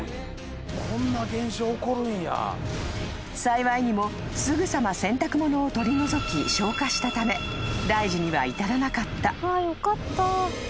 ［幸いにもすぐさま洗濯物を取り除き消火したため大事には至らなかった］